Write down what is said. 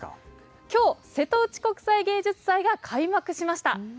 きょう瀬戸内国際芸術祭が開幕しました。